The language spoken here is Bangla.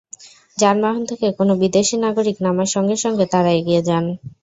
যানবাহন থেকে কোনো বিদেশি নাগরিক নামার সঙ্গে সঙ্গে তাঁরা এগিয়ে যান।